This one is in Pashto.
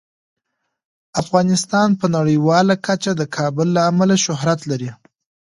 افغانستان په نړیواله کچه د کابل له امله شهرت لري.